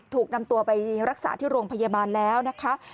ถูกนำตัวไปรักษาที่โรงพยาบาลแล้วนะคะ